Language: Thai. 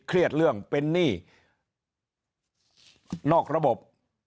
เครียดเรื่องเป็นหนี้นอกระบบ